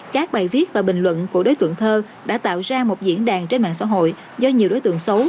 các bài viết và bình luận của đối tượng thơ đã tạo ra một diễn đàn trên mạng xã hội do nhiều đối tượng xấu